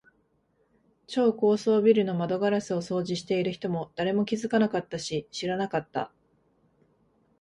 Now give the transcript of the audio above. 超高層ビルの窓ガラスを掃除している人も、誰も気づかなかったし、知らなかった。